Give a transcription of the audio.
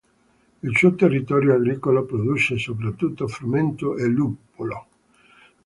Il suo territorio agricolo produce soprattutto frumento e luppolo.